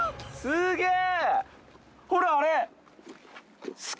すげえ。